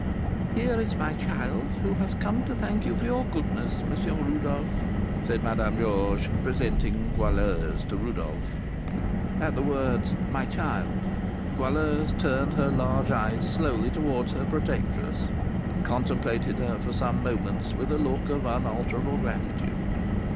"Here is my child, who has come to thank you for your goodness, M. Rodolph," said Madame Georges, presenting Goualeuse to Rodolph. At the words, "my child," Goualeuse turned her large eyes slowly towards her protectress, and contemplated her for some moments with a look of unutterable gratitude.